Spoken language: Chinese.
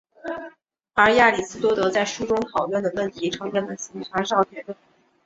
而亚里斯多德在书中讨论的问题成为了形上学的很多基本问题。